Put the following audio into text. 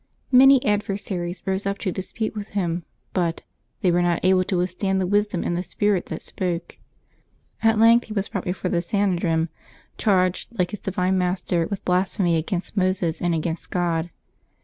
Many adversaries rose up to dispute with him, but "they were not able to withstand the wisdom and the spirit that spoke." At length he was brought before the Sanhedrim, charged, like his divine Master, with blasphemy against Moses and against God.